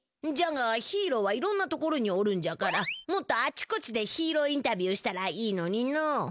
じゃがヒーローはいろんな所におるんじゃからもっとあっちこっちでヒーローインタビューしたらいいのにのう。